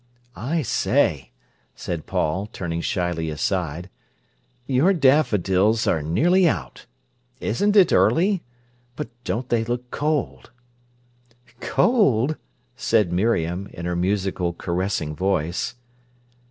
"I say," said Paul, turning shyly aside, "your daffodils are nearly out. Isn't it early? But don't they look cold?" "Cold!" said Miriam, in her musical, caressing voice.